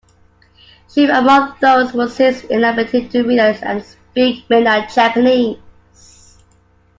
Chief among those was his inability to read and speak mainland Japanese.